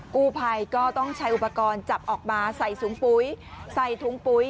กู้ภัยก็ต้องใช้อุปกรณ์จับออกมาใส่ถุงปุ๋ยใส่ถุงปุ๋ย